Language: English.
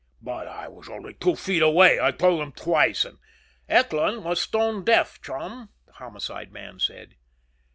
"But I was only two feet away! I told him twice an' " "Eckland was stone deaf, chum," the Homicide man said.